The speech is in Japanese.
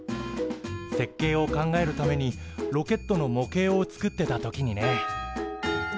設計を考えるためにロケットの模型を作ってた時にね。